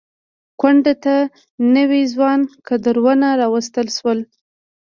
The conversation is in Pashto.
ګوند ته نوي ځوان کدرونه راوستل شول.